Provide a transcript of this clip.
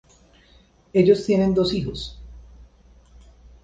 Ellos tienen dos hijos.